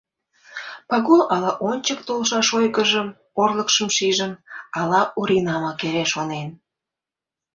Пагул ала ончык толшаш ойгыжым, орлыкшым шижын, ала Оринамак эре шонен.